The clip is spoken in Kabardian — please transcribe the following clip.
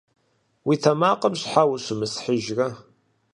Уи тэмакъым щхьэ ущымысхьыжрэ?